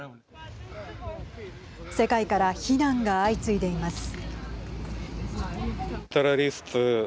世界から非難が相次いでいます。